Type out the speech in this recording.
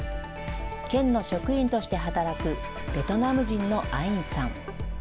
県の職員として働くベトナム人のアインさん。